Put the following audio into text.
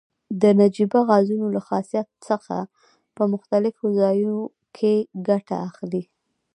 د نجیبه غازونو له خاصیت څخه په مختلفو ځایو کې ګټه اخلي.